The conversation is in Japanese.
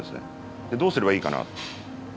でどうすればいいかな？